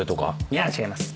いや違います